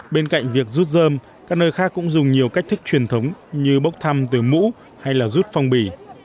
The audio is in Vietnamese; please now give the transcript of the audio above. bên cạnh việc rút dơm các nơi khác cũng dùng nhiều cách thức truyền thống như bốc thăm từ mũ hay là rút phong bì